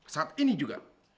saat ini juga